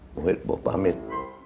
buat buah pamit